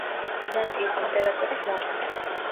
ბიზანტიის იმპერატორის მომხრე.